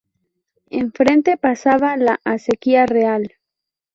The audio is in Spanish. Enfrente, pasaba la Acequia Real.